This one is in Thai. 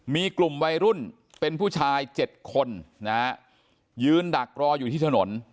มีกลุ่มวัยรุ่นเป็นผู้ชาย๗คนนะฮะยืนดักรออยู่ที่ถนน